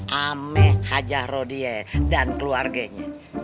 sama haji rodie dan keluarganya